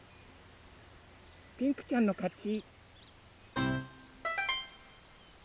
ピンクちゃんのかち！